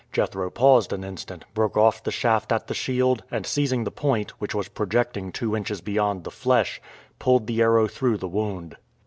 Jethro paused an instant, broke off the shaft at the shield, and seizing the point, which was projecting two inches beyond the flesh, pulled the arrow through the wound.